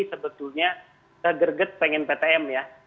sebetulnya segerget pengen ptm ya